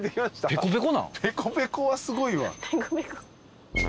ペコペコはすごいわ。